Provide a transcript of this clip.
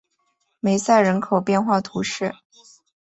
梅塞人口变化图示